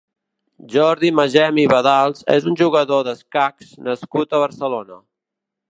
Jordi Magem i Badals és un jugador d'escacs nascut a Barcelona.